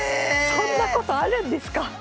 そんなことあるんですか！